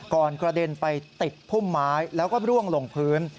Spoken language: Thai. กระเด็นไปติดพุ่มไม้แล้วก็ร่วงลงพื้น